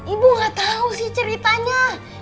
ibu gak tau sih ceritanya